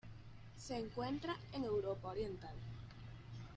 Se encuentra en Europa Oriental.